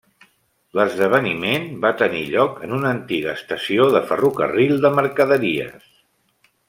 L'esdeveniment va tenir lloc en una antiga estació de ferrocarril de mercaderies.